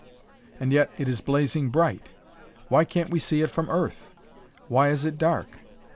and yet it is blazing bright. Why can't we see it from Earth? Why is it dark?...